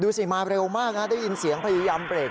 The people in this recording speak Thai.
สิมาเร็วมากนะได้ยินเสียงพยายามเบรก